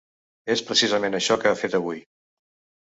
És precisament això que ha fet avui.